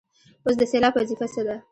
اوس د سېلاب وظیفه څه ده.